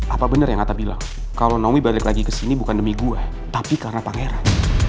apa bener yang atta bilang kalo naomi balik lagi kesini bukan demi gue tapi karena pangeran